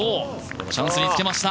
チャンスにつけました。